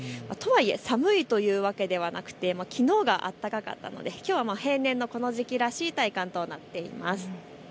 とはいえ寒いというわけではなくてきのうが暖かかったのできょうは平年のこの時期らしい体感となっています。